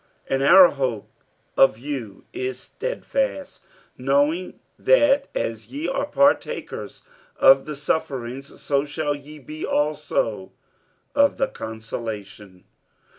47:001:007 And our hope of you is stedfast, knowing, that as ye are partakers of the sufferings, so shall ye be also of the consolation.